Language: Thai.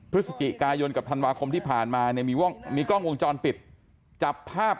พฤศจิกายนกับธันวาคมที่ผ่านมาเนี่ยมีวงมีกล้องวงจรปิดจับภาพ